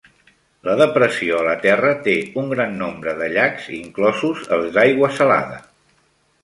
La depressió a la terra té un gran nombre de llacs, inclosos els d'aigua salada.